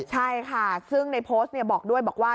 ใช่ค่ะซึ่งในโพสต์บอกด้วยบอกว่า